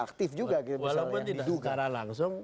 aktif juga walaupun tidak secara langsung